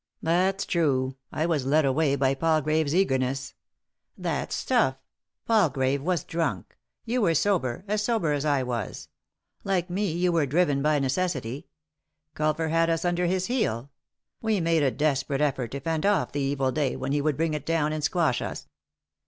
" That's true ; I was led away by Palgravc's eager ness." "That's stuff. Palgrave was drunk. You were sober, as sober as I was. Like me, you were driven by necessity. Culver had us under his heel ; we made a desperate effort to fend off the evil day when he would bring it down and squash us."